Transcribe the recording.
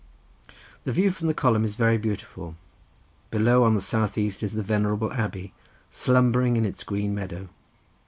The view from the column is very beautiful, below on the south east is the venerable abbey, slumbering in its green meadow.